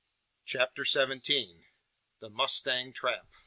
CHAPTER SEVENTEEN. THE MUSTANG TRAP.